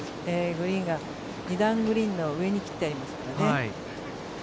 グリーンが２段グリーンの上に切っています。